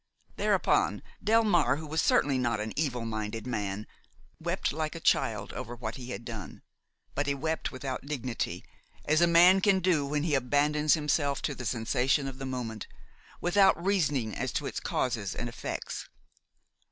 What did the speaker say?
Thereupon Delmare, who certainly was not an evil minded man, wept like a child over what he had done; but he wept without dignity, as a man can do when he abandons himself to the sensation of the moment, without reasoning as to its causes and effects.